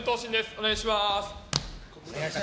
お願いします。